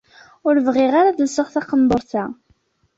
Ur bɣiɣ ara ad lseɣ taqenduṛt-a.